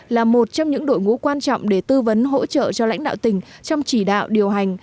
là một trong những đội ngũ quan trọng để tư vấn hỗ trợ cho lãnh đạo tỉnh trong chỉ đạo điều hành